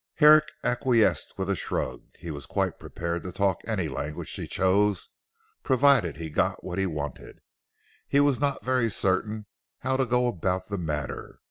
Herrick acquiesced with a shrug. He was quite prepared to talk any language she chose provided he got what he wanted. He was not very certain how to go about the matter.